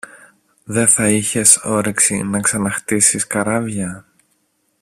Δε θα είχες όρεξη να ξαναχτίσεις καράβια;